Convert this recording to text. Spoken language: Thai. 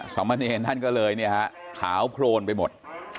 สมเนรท่านก็เลยขาวโครนไปหมด